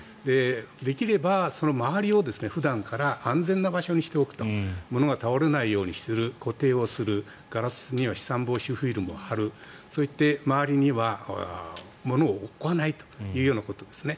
できれば、その周りを普段から安全な場所にしておく物が倒れないようにする固定をするガラスには飛散防止フィルムを貼るそして、周りには物を置かないということですね。